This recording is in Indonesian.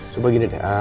coba gini deh